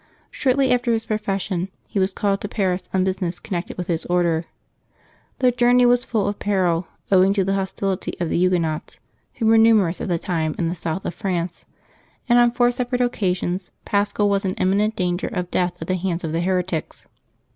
Shortly after his profession he was called to Paris on business connected with his Order. The journey was full of peril, owing to the hostility of the Huguenots, who were numerous at the time in the south of France ; and on four separate occasions Paschal was in imminent danger of death at the hands of the heretics.